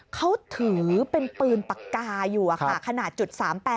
เขาถือเป็นปืนปากกาอยู่ขนาด๓๘